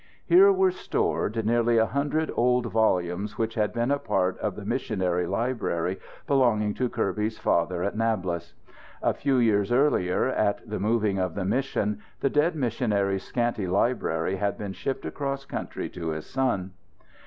Here were stored nearly a hundred old volumes which had once been a part of the missionary library belonging to Kirby's father at Nablous. A few years earlier, at the moving of the mission, the dead missionary's scanty library had been shipped across country to his son.